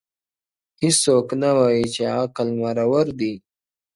هیڅوک نه وايي چي عقل مرور دی-